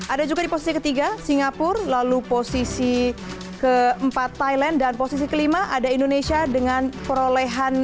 ada juga di posisi ketiga singapura lalu posisi keempat thailand dan posisi kelima ada indonesia dengan perolehan